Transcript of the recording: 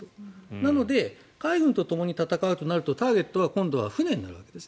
なので、海軍とともに戦うとなるとターゲットは今度は船になるわけです。